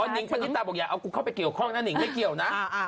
นิงปณิตาบอกอย่าเอากูเข้าไปเกี่ยวข้องนะนิงไม่เกี่ยวนะ